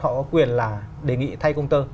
họ có quyền là đề nghị thay công tơ